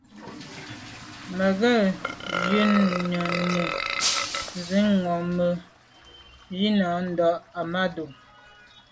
Mə́ gə̀ yɔ̌ŋ yə́ mû' nsî vwá mə̀ yə́ á ndǎ' Ahmadou.